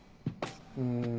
うん。